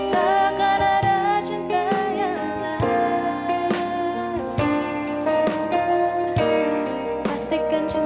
terima kasih banyak ibu